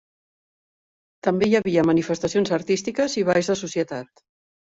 També hi havia manifestacions artístiques i balls de societat.